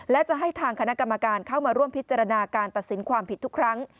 และจะให้ทางคณะกรรมการเข้ามาร่วมพิจารณาการตัดสินความผิดทุกครั้ง